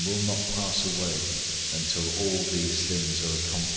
"} will not pass away until all these things happen.